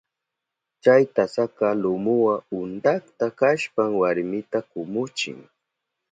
Chay tasaka lumuwa untakta kashpan warmita kumuchin.